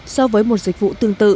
so với một dịch vụ tương tự